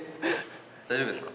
⁉大丈夫ですか？